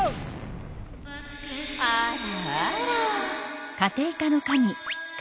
あらあら。